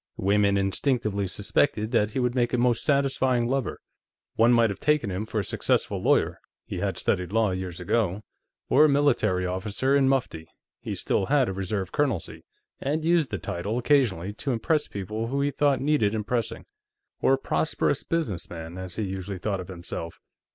Women instinctively suspected that he would make a most satisfying lover. One might have taken him for a successful lawyer (he had studied law, years ago), or a military officer in mufti (he still had a Reserve colonelcy, and used the title occasionally, to impress people who he thought needed impressing), or a prosperous businessman, as he usually thought of himself.